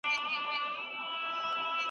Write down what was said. کومي اړیکي په ریښتیني باور ولاړي دي؟